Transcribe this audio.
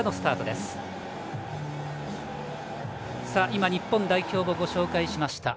今、日本代表をご紹介しました。